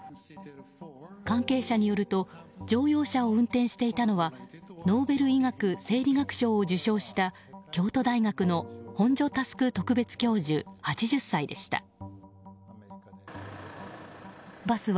関係者によると乗用車を運転していたのはノーベル医学・生理学賞を受賞した京都大学の本庶佑特別教授、８０歳でした。